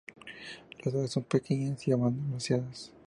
Las hojas son pequeñas y ovado-lanceoladas.